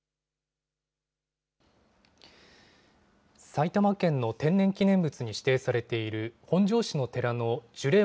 埼玉県の天然記念物に指定されている本庄市の寺の樹齢